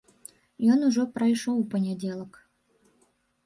Ён ужо прайшоў у панядзелак.